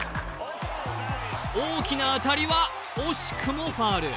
大きな当たりは惜しくもファウル。